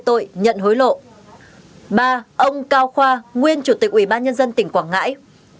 ba ông cao khoa nguyên chủ tịch ủy ban nhân dân tỉnh quảng ngãi